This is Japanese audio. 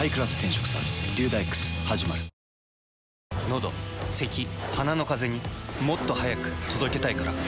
のどせき鼻のカゼにもっと速く届けたいから。